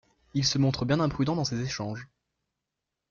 Il se montre bien imprudent dans ces échanges.